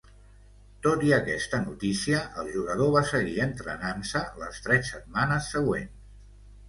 Tot i aquesta notícia el jugador va seguir entrenant-se les tres setmanes següents.